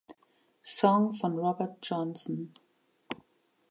Song von Robert Johnson.